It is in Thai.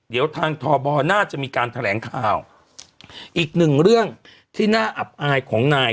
เดี๋ยวทางทบน่าจะมีการแถลงข่าวอีกหนึ่งเรื่องที่น่าอับอายของนาย